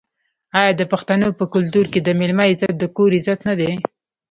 آیا د پښتنو په کلتور کې د میلمه عزت د کور عزت نه دی؟